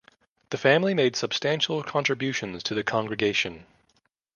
The family made substantial contributions to the congregation.